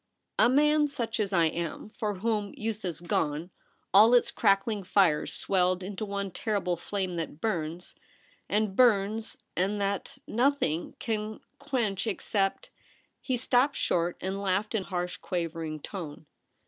A man such as I am, for whom youth has gone — all its crackling fires swelled into one terrible flame that burns — and burns — and that nothing can quench except ' THE BOTHWELL PART. 287 He Stopped short, and laughed in harsh, quavering tone.